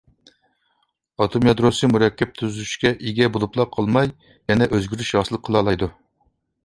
ئاتوم يادروسى مۇرەككەپ تۈزۈلۈشكە ئىگە بولۇپلا قالماي، يەنە ئۆزگىرىش ھاسىل قىلالايدۇ.